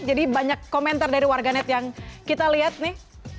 jadi banyak komentar dari warganet yang kita lihat nih